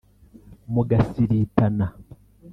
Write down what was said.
mu gasiritana